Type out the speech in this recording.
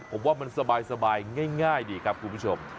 ผมว่ามันสบายง่ายดีครับคุณผู้ชม